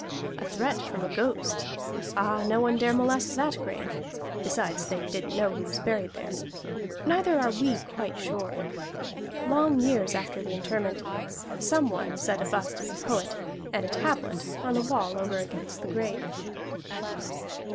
A threat from a ghost! Ah, no one dare molest that grave besides they didn't know who was buried there neither are we quite sure. Long years after the interment, some one set a bust of the poet, and a tablet, on the wall over against the grave.